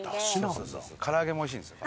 唐揚げもおいしいんですよね。